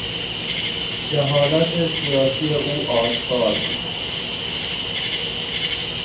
جهالت سیاسی او آشکار بود.